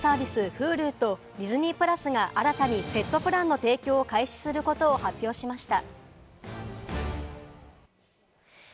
Ｈｕｌｕとディズニープラスが新たにセットプランの提供を開始することを発表しました。